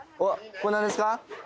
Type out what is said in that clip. これなんですか？